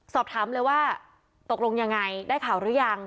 สอบถามเลยว่าตกลงยังไงได้ข่าวหรือยัง